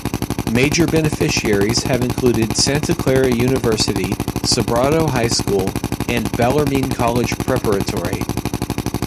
Major beneficiaries have included Santa Clara University, Sobrato High School, and Bellarmine College Preparatory.